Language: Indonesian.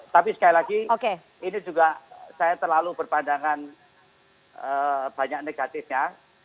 tapi sekali lagi ini juga saya terlalu berpandangan banyak negatifnya